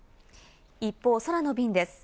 一方、空の便です。